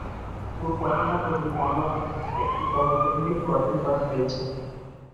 পুরো ঘটনা তদন্তে আমাদের পক্ষ থেকেও একটি তদন্ত কমিটি গঠন করা হয়েছে।